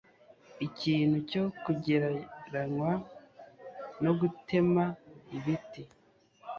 Ikintu cyo kugereranwa no gutema ibiti